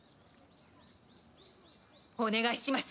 お願いします